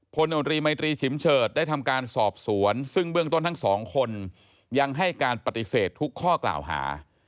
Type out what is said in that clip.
โนรีไมตรีฉิมเฉิดได้ทำการสอบสวนซึ่งเบื้องต้นทั้งสองคนยังให้การปฏิเสธทุกข้อกล่าวหา